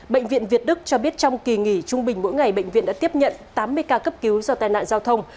bệnh viện việt đức cho biết trong kỳ nghỉ trung bình mỗi ngày bệnh viện đã tiếp nhận tám mươi ca cấp cứu do tai nạn giao thông